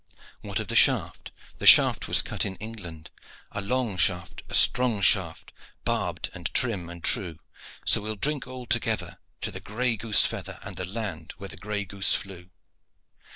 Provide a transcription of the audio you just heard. What of the shaft? The shaft was cut in England: A long shaft, a strong shaft, Barbed and trim and true; So we'll drink all together To the gray goose feather And the land where the gray goose flew.